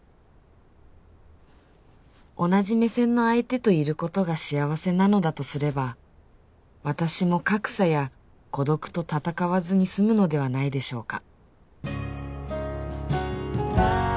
同じ目線の相手といることが幸せなのだとすれば私も格差や孤独と闘わずに済むのではないでしょうか